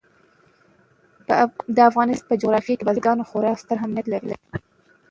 د افغانستان په جغرافیه کې بزګان خورا ستر اهمیت لري.